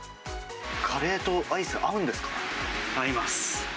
カレーとアイス、合うんです合います。